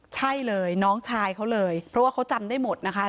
ใช่เลยน้องชายเขาเลยเพราะว่าเขาจำได้หมดนะคะ